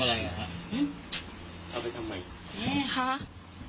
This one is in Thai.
เอาไปทำไม